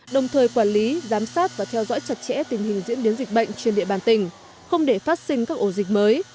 đồng thời quản lý giám sát và theo dõi chặt chẽ tình hình diễn biến dịch bệnh trên địa bàn tỉnh không để phát sinh các ổ dịch mới